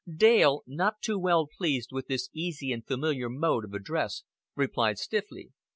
Dale, not too well pleased with this easy and familiar mode of address, replied stiffly.